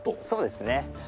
そうですね。